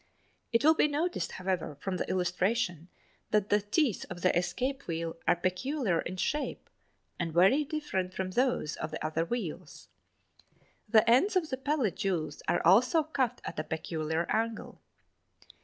It will be noticed, however, from the illustration, that the teeth of the escape wheel are peculiar in shape and very different from those of the other wheels. The ends of the pallet jewels are also cut at a peculiar angle.